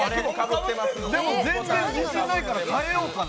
でも全然自信ないから変えようかな。